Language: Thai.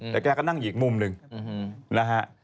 แต่แกก็นั่งอยู่อีกมุมนึงนะฮะ